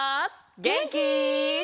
げんき？